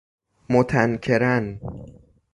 متنکراً